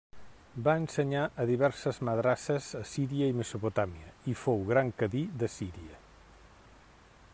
Va ensenyar a diverses madrasses a Síria i Mesopotàmia i fou gran cadi de Síria.